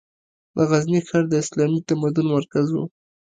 د غزني ښار د اسلامي تمدن مرکز و.